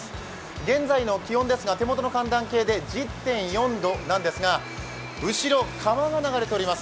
現在の気温、手元の寒暖計で１０．４度なんですが後ろ、川が流れております。